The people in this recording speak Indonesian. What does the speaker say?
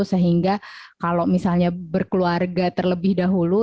sehingga kalau misalnya berkeluarga terlebih dahulu